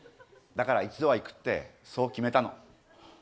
だから一度は行くってそう決めたの。